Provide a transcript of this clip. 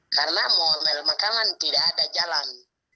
karena mau naik makanan tidak ada jalan